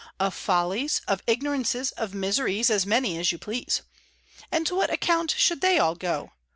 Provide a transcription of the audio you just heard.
Of follies, of ignorances, of miseries as many as you please. And to what account should they all go?